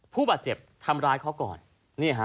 ผู้บาดเจ็บทำร้ายเขาก่อน